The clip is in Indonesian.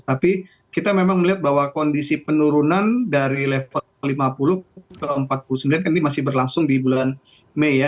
tapi kita memang melihat bahwa kondisi penurunan dari level lima puluh ke empat puluh sembilan kan ini masih berlangsung di bulan mei ya